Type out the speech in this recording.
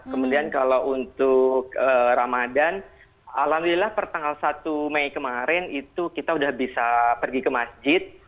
kemudian kalau untuk ramadan alhamdulillah per tanggal satu mei kemarin itu kita sudah bisa pergi ke masjid